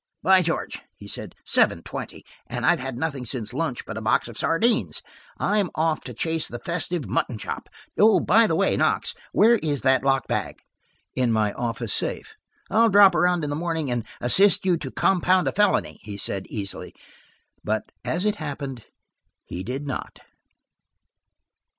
"By George!" he said. "Seven twenty, and I've had nothing since lunch but a box of sardines. I'm off to chase the festive mutton chop. Oh, by the way, Knox, where is that locked bag?" "In my office safe." "I'll drop around in the morning and assist you to compound a felony," he said easily. But as it happened, he did not.